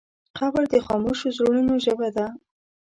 قبر د خاموشو زړونو ژبه ده.